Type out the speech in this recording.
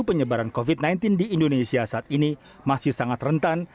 penyebaran covid sembilan belas di indonesia saat ini masih sangat rentan